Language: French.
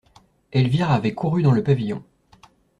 Elvire avait couru dans le pavillon.